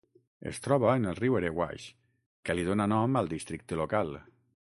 Es troba en el riu Erewash, que li dona nom al districte local.